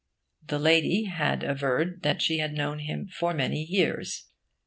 The lady had averred that she had known him for many years.